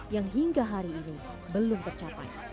yang hingga hari ini belum tercapai